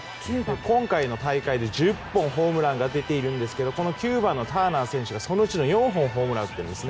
今回の大会で１０本ホームランが出ているんですが９番のターナー選手がそのうちの４本ホームランを打っているんです。